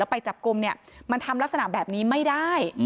ไปจับกลุ่มเนี่ยมันทำลักษณะแบบนี้ไม่ได้